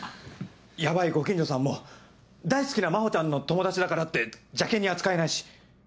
ヤバいご近所さんも大好きな真帆ちゃんの友達だからって邪険に扱えないし。